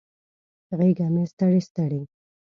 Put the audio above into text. غیږه مې ستړي، ستړي